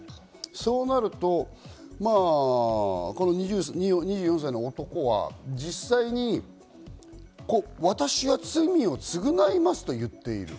そうなると２４歳の男は実際に私は罪を償いますと言っている。